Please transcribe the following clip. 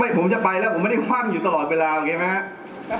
ไม่ผมจะไปแล้วผมจะไม่ได้ว่างอยู่ตรอดเวลาอ่ะครับ